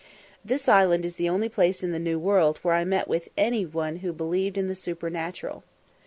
This island is the only place in the New World where I met with any who believed in the supernatural.